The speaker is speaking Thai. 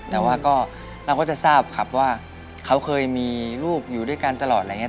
แต่ว่าก็เราก็จะทราบครับว่าเขาเคยมีลูกอยู่ด้วยกันตลอดอะไรอย่างนี้